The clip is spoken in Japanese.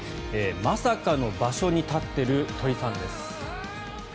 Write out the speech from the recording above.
まさかの場所に立っている鳥さんです。